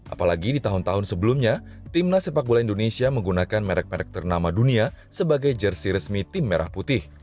apalagi di tahun tahun sebelumnya timnas sepak bola indonesia menggunakan merek merek ternama dunia sebagai jersi resmi tim merah putih